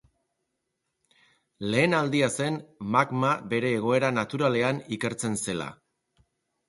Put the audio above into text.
Lehen aldia zen magma bere egoera naturalean ikertzen zela.